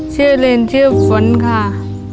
ชื่อลีนเชื่อฝนค่ะ